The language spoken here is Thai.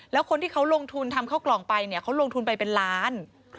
แล้วคนที่เขาลงทุนทำเข้ากล่องไปเนี่ยเขาลงทุนไปเป็นล้าน